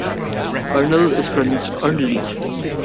Ernle is pronounced earnly.